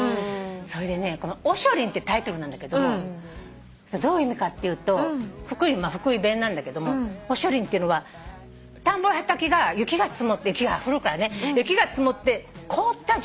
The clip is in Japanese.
それでねこの『おしょりん』ってタイトルなんだけどどういう意味かっていうと福井弁なんだけども「おしょりん」っていうのは田んぼや畑が雪が積もって雪が降るからね雪が積もって凍った状態のことを言うの。